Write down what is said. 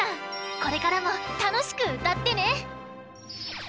これからもたのしくうたってね！